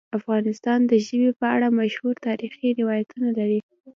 افغانستان د ژبې په اړه مشهور تاریخی روایتونه لري.